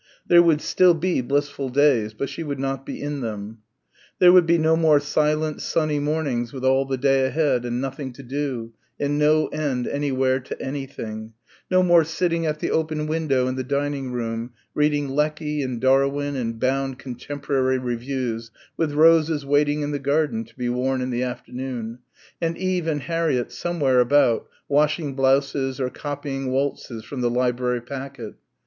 There would still be blissful days. But she would not be in them. There would be no more silent sunny mornings with all the day ahead and nothing to do and no end anywhere to anything; no more sitting at the open window in the dining room, reading Lecky and Darwin and bound "Contemporary Reviews" with roses waiting in the garden to be worn in the afternoon, and Eve and Harriett somewhere about, washing blouses or copying waltzes from the library packet